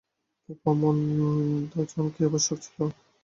এ প্রবঞ্চনার কী আবশ্যক ছিল।